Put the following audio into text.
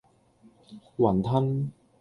雲吞